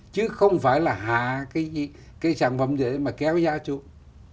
chứ không phải là hạ cái sản phẩm để mà kéo giá xuống